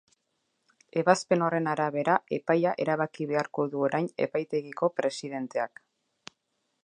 Ebazpen horren arabera epaia erabaki beharko du orain epaitegiko presidenteak.